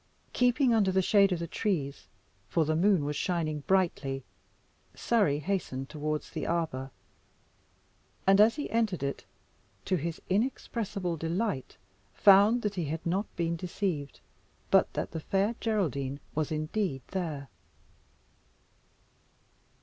Keeping under the shade of the trees, for the moon was shining brightly, Surrey hastened towards the arbour, and as he entered it, to his inexpressible delight found that he had not been deceived, but that the Fair Geraldine was indeed there.